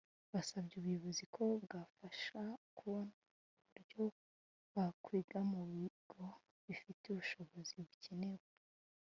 Basabye ubuyobozi ko bwabafasha kubona uburyo bakwiga mu bigo bifite ubushobozi bukenewe